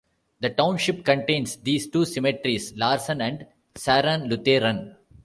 The township contains these two cemeteries: Larson and Saron Lutheran.